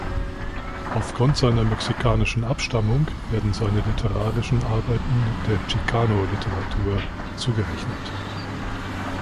Auf Grund seiner mexikanischen Abstammung werden seine literarischen Arbeiten der Chicano-Literatur zugerechnet.